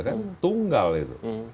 kan tunggal itu